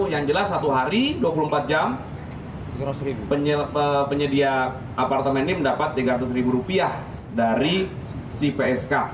yang jelas satu hari dua puluh empat jam penyedia apartemen ini mendapat rp tiga ratus ribu rupiah dari si psk